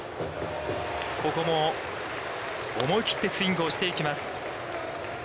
ここも思い切ってスイングをしていきます。